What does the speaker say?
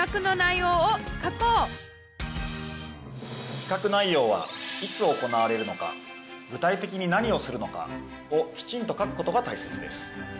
企画内容は「いつ」行われるのか「具体的に何をするのか」をきちんと書くことがたいせつです。